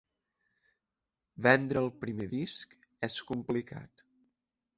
Vendre el primer disc és complicat.